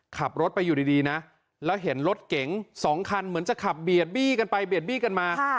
ขับรถไปอยู่ดีนะแล้วเห็นรถเก๋งสองคันเหมือนจะขับเบียดบี้กันไปเบียดบี้กันมา